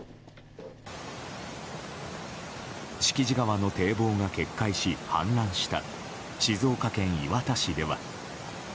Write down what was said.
敷地川の堤防が決壊し氾濫した静岡県磐田市では。